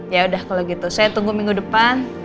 yaudah kalau gitu saya tunggu minggu depan